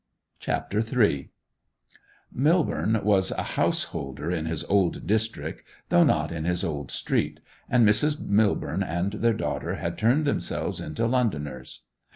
CHAPTER III Millborne was a householder in his old district, though not in his old street, and Mrs. Millborne and their daughter had turned themselves into Londoners.